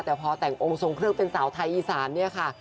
แต่พอแต่งองค์ทรงเครื่องเป็นสาวไทยอีสานเนี่ยค่ะ